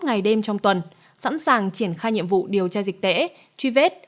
ngày đêm trong tuần sẵn sàng triển khai nhiệm vụ điều tra dịch tễ truy vết